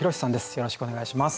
よろしくお願いします。